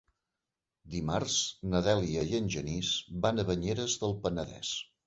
Dimarts na Dèlia i en Genís van a Banyeres del Penedès.